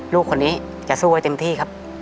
ลูกคนนี้จะสู้ให้เต็มที่ครับ